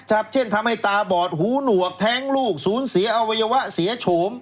เช่นทำให้ตาบอดหูหนวกแท้งลูกศูนย์เสียอวัยวะเสียโฉม